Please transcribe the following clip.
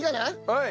はい。